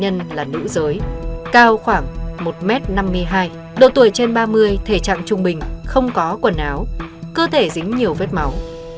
nạn nhân là nữ giới cao khoảng một m năm mươi hai độ tuổi trên ba mươi thể trạng trung bình không có quần áo cơ thể dính nhiều vết máu